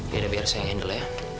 ya udah biar saya yang handle ya